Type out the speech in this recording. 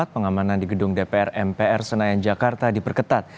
pengamanan di gedung dpr mpr senayan jakarta diperketat